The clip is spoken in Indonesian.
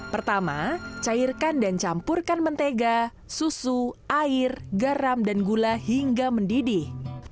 pertama cairkan dan campurkan mentega susu air garam dan gula hingga mendidih